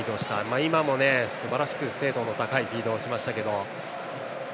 今もすばらしく精度の高いフィードをしましたけど。